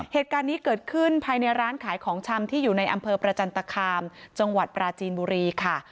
เหตุการณ์นี้เกิดขึ้นภายในร้านขายของชำที่อยู่ในอำเภอประจันตคามจังหวัดปราจีนบุรีค่ะ